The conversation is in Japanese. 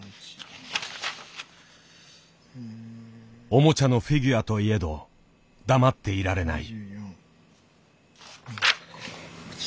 おもちゃのフィギュアといえど黙っていられない。